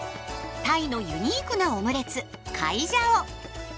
タイのユニークなオムレツカイジャオ。